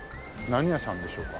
何屋さんでしょうか。